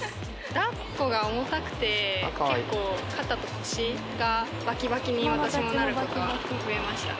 ・だっこが重たくて結構肩と腰がバキバキに私もなることは増えましたね